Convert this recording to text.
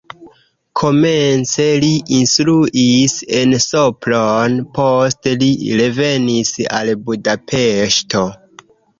Komence li instruis en Sopron, poste li revenis al Budapeŝto.